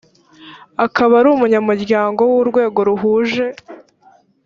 akaba ari umunyamuryango w urwego ruhuje